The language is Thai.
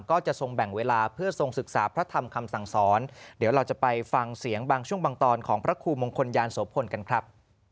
ก็จะทรงแบ่งเวลาเพื่อทรงศึกษาพระธรรมคำสั่งสอนเดี๋ยวเราจะไปฟังเสียงบางช่วงบางตอนของพระครูมงคลยานโสพลกันครับ